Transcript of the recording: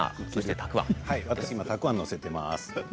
たくあんを載せています。